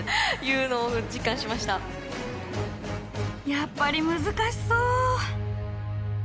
やっぱり難しそう。